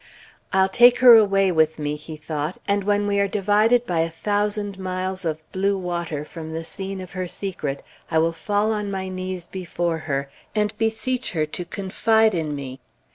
"I'll take her away with me," he thought; "and when we are divided by a thousand miles of blue water from the scene of her secret, I will fall on my knees before her, and beseech her to confide in me."